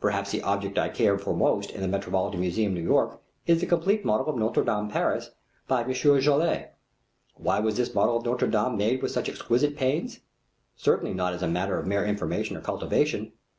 Perhaps the object I care for most in the Metropolitan Museum, New York, is the complete model of Notre Dame, Paris, by M. Joly. Why was this model of Notre Dame made with such exquisite pains? Certainly not as a matter of mere information or cultivation.